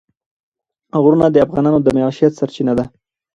غرونه د افغانانو د معیشت سرچینه ده.